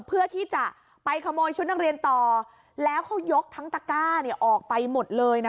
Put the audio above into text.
เพื่อที่จะไปขโมยชุดนักเรียนต่อแล้วเขายกทั้งตะก้าเนี่ยออกไปหมดเลยนะ